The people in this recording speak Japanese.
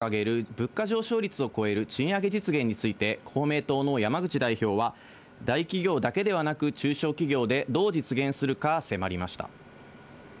岸田総理が掲げる、物価上昇率を超える賃上げ実現について、公明党の山口代表は、大企業だけではなく、中小企業でどう実現するか迫りました。